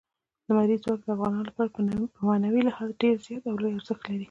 لمریز ځواک د افغانانو لپاره په معنوي لحاظ ډېر زیات او لوی ارزښت لري.